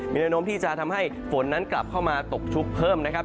มีแนวโน้มที่จะทำให้ฝนนั้นกลับเข้ามาตกชุกเพิ่มนะครับ